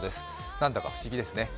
なんだか不思議ですね。